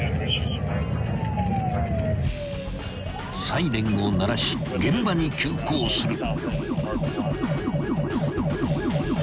［サイレンを鳴らし現場に急行する］